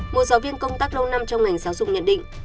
một giáo viên công tác lâu năm trong ngành giáo dục nhận định